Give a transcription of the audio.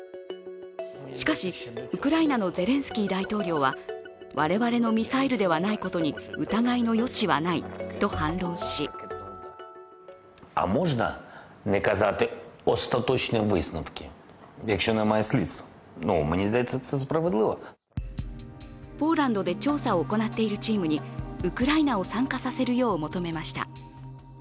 しかし、ウクライナのゼレンスキー大統領は我々のミサイルではないことに疑いの余地はないと反論しポーランドで調査を行っているチームにウクライナを参加させるよう求めました。